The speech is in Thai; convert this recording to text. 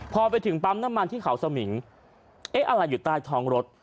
พอไปถึงปั๊มน้ำมันที่เขาสมิงเอ๊ะอะไรอยู่ใต้ท้องรถ